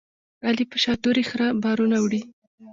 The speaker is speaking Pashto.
علي په شاتوري خره بارونه وړي.